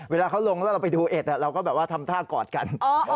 เวลาเข้าลงเราจะไปดูเอ็ดเราก็ทำท่ากอดกัน